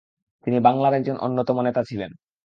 তিনি বাংলার একজন অন্যতম নেতা ছিলেন।